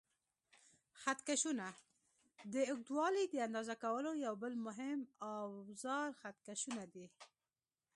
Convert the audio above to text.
خط کشونه: د اوږدوالي د اندازه کولو یو بل مهم اوزار خط کشونه دي.